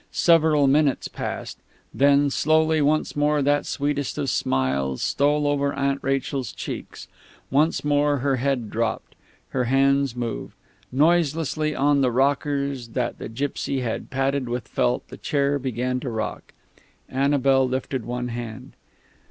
Several minutes passed; then, slowly, once more that sweetest of smiles stole over Aunt Rachel's cheeks. Once more her head dropped. Her hands moved. Noiselessly on the rockers that the gipsy had padded with felt the chair began to rock. Annabel lifted one hand.